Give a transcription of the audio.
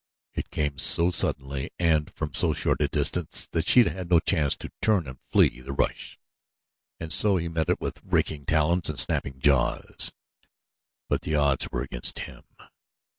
It came so suddenly and from so short a distance that Sheeta had no chance to turn and flee the rush, and so he met it with raking talons and snapping jaws; but the odds were all against him.